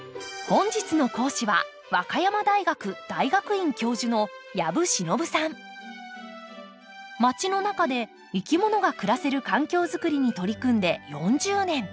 本日の講師は和歌山大学大学院教授のまちの中でいきものが暮らせる環境作りに取り組んで４０年。